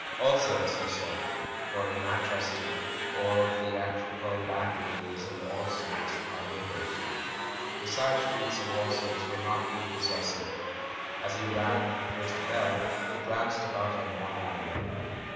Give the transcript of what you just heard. "All Saints," he said, for in JNIanchester all theat rical landladies and All Saints are neighbours. The side streets of All Saints were not prepos sessing. As he rang the first bell, he glanced about him wonderingly.